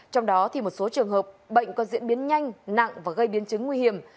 trong đó một số trường hợp bệnh có diễn biến nhanh nặng và gây biến chứng nguy hiểm